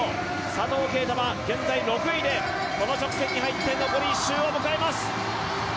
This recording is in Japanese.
佐藤圭汰は現在６位でこの直線に入って残り１周を迎えます。